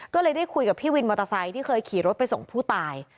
ก็เลยได้คุยกับพี่วินมอเตอร์ไซค์ที่เคยขี่รถไปส่งผู้ตาย